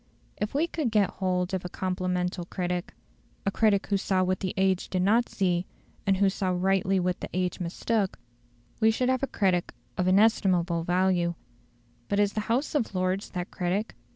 If we could get hold of a complemental critic, a critic who saw what the age did not see, and who saw rightly what the age mistook, we should have a critic of inestimable value. But is the House of Lords that critic?